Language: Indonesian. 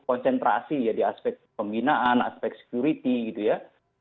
jadi aspek pembinaan aspek security gitu ya